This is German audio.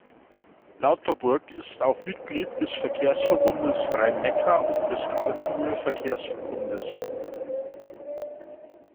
Lauterbourg ist auch Mitglied des Verkehrsverbundes Rhein-Neckar und des Karlsruher Verkehrsverbundes.